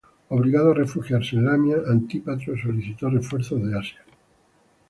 Obligado a refugiarse en Lamia, Antípatro solicitó refuerzos de Asia.